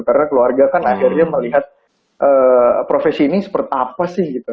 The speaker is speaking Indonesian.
karena keluarga kan akhirnya melihat profesi ini seperti apa sih gitu